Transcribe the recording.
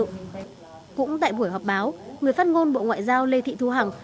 cũng tại buổi họp báo người phát ngôn bộ ngoại giao lê thị thu hằng